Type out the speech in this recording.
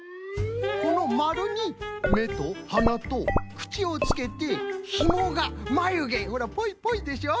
このまるにめとはなとくちをつけてひもがまゆげほらぽいぽいでしょ？